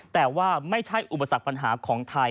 แต่ว่าไม่ใช่อุปสรรคปัญหาของไทย